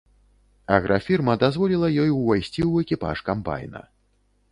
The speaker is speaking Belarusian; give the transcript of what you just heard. Аграфірма дазволіла ёй увайсці ў экіпаж камбайна.